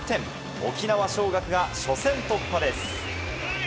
沖縄尚学が初戦突破です。